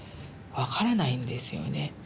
わからないんですよね。